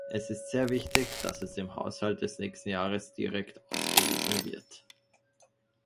Es ist sehr wichtig, dass es im Haushalt des nächsten Jahres direkt ausgewiesen wird.